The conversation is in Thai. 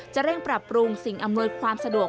เร่งปรับปรุงสิ่งอำนวยความสะดวก